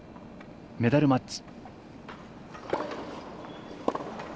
メダルマッチ。